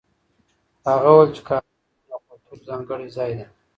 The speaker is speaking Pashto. هغه وویل چي کابل د پوهنې او کلتور ځانګړی ځای دی.